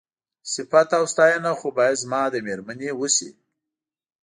صيفت او ستاينه خو بايد زما د مېرمنې وشي.